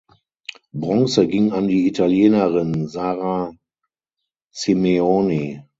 Bronze ging an die Italienerin Sara Simeoni.